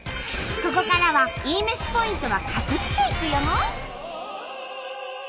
ここからはいいめしポイントは隠していくよ！